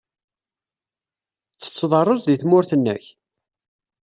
Tettetteḍ ṛṛuz deg tmurt-nnek?